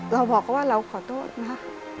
เราบอกเขาว่าเราขอโทษนะ